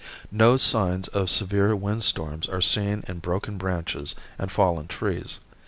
No signs of severe windstorms are seen in broken branches and fallen trees.